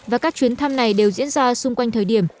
và các chuyến thăm này đều diễn ra xung quanh thời điểm